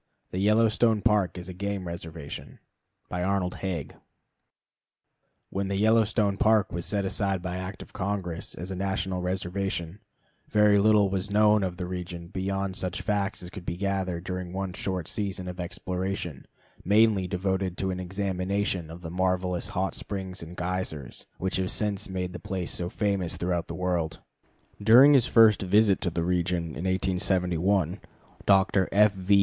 _ The Yellowstone Park as a Game Reservation When the Yellowstone Park was set aside by Act of Congress as a national reservation, very little was known of the region beyond such facts as could be gathered during one short season of exploration, mainly devoted to an examination of the marvelous hot springs and geysers, which have since made the place so famous throughout the world. During his first visit to the region in 1871, Dr. F. V.